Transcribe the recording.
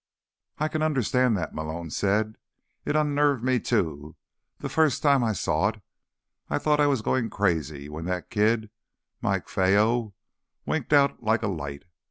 "I can understand that," Malone said. "It unnerved me, too, the first time I saw it. I thought I was going crazy, when that kid—Mike Fueyo—winked out like a light.